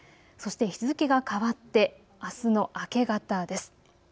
そして日付が変わってあすの明け方です。